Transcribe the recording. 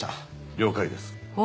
了解です。